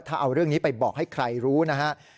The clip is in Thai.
ถ้าเอาเรื่องนี้ไปบอกให้ใครรู้นะครับ